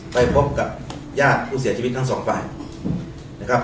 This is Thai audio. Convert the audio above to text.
ไปพบกับญาติผู้เสียชีวิตทั้งสองฝ่ายนะครับ